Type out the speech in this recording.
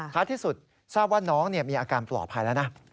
ที่สุดทราบว่าน้องมีอาการปลอดภัยแล้วนะ